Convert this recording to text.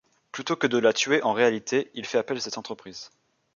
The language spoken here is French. Plutôt que de la tuer en réalité, il fait appel à cette entreprise.